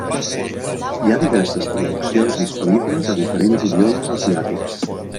Hi ha diverses traduccions disponibles a diferents idiomes asiàtics.